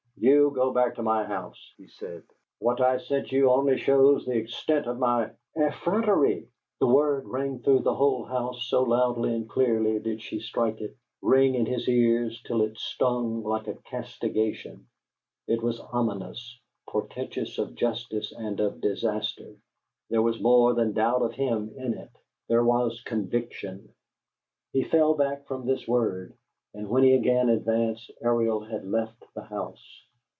"You go back to my house," he said. "What I sent you only shows the extent of my " "Effrontery!" The word rang through the whole house, so loudly and clearly did she strike it, rang in his ears till it stung like a castigation. It was ominous, portentous of justice and of disaster. There was more than doubt of him in it: there was conviction. He fell back from this word; and when he again advanced, Ariel had left the house.